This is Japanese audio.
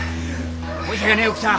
申し訳ねえ奥さん。